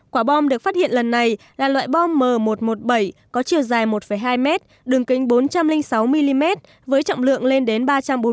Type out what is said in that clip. quả bom được phát hiện lần này là loại bom m một trăm một mươi bảy có chiều dài một hai mét đường kính bốn trăm linh sáu mm với trọng lượng lên đến ba trăm bốn mươi